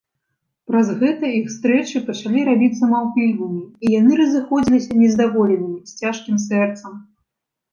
Праз гэта іх стрэчы пачалі рабіцца маўклівымі, і яны разыходзіліся нездаволенымі, з цяжкім сэрцам.